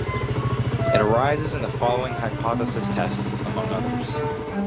It arises in the following hypothesis tests, among others.